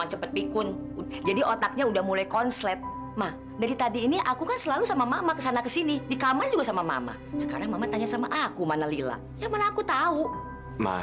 hai jadi otaknya udah mulai konslet mah dari tadi ini aku selalu sama mama kesana kesini di kamar juga sama mama sekarang tanya sama aku mana lila yang mana aku tahu mah